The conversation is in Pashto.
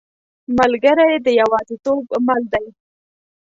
ملګری د یوازیتوب مل دی.